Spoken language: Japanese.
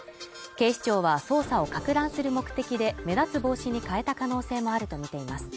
警視庁は捜査をかく乱する目的で目立つ帽子に変えた可能性もあるとみています